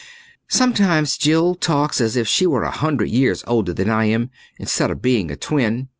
Sometimes Jill talks as if she were a hundred years older than I am, instead of being a twin.